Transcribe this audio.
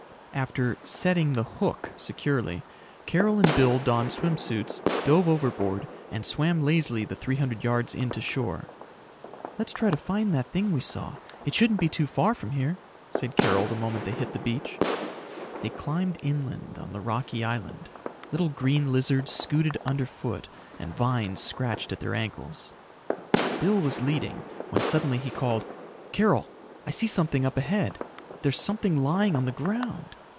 After "setting the hook" securely, Carol and Bill donned swim suits, dove overboard and swam lazily the 300 yards in to shore. "Let's try to find that thing we saw. It shouldn't be too far from here," said Carol the moment they hit the beach. They climbed inland on the rocky island. Little green lizards scooted underfoot and vines scratched at their ankles. Bill was leading, when suddenly he called, "Carol, I see something up ahead! There's something lying on the ground!"